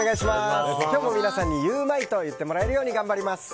今日も皆さんにゆウマいと言ってもらえるように頑張ります！